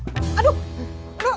semoga ngekecek datang